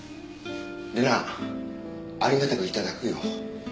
礼菜ありがたく頂くよ。